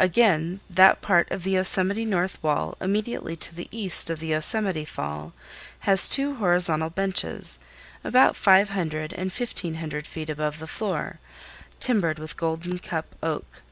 Again, that part of the Yosemite north wall immediately to the east of the Yosemite Fall has two horizontal benches, about 500 and 1500 feet above the floor, timbered with golden cup oak.